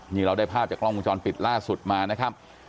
นี่เราได้ภาพจากกล้องวงจรปิดล่าสุดมานะครับ